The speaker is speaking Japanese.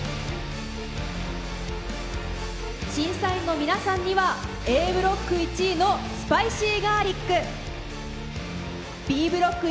審査員の皆さんにはＡブロック１位のスパイシーガーリック。